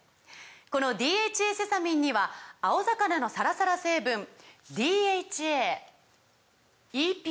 この「ＤＨＡセサミン」には青魚のサラサラ成分ＤＨＡＥＰＡ